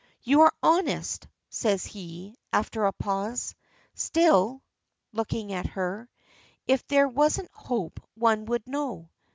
"You are honest," says he, after a pause. "Still" looking at her "if there wasn't hope one would know.